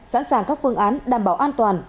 sẵn sàng các phương án đảm bảo an toàn